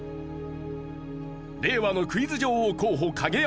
令和のクイズ女王候補影山